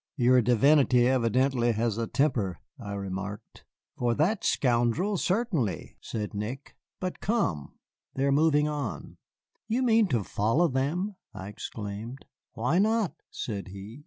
"Your divinity evidently has a temper," I remarked. "For that scoundel certainly," said Nick; "but come, they are moving on." "You mean to follow them?" I exclaimed. "Why not?" said he.